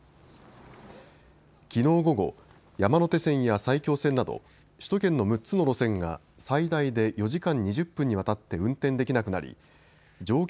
きのう午後、山手線や埼京線など首都圏の６つの路線が最大で４時間２０分にわたって運転できなくなり乗客